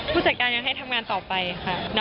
ผู้จัดการยังให้ทำงานต่อไปค่ะ